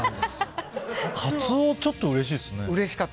カツオ、ちょっとうれしいですね。